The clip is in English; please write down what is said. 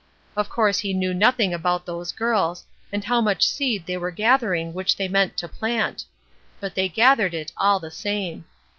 Of course he knew nothing about those girls, and how much seed they were gathering which they meant to plant; but they gathered it, all the same.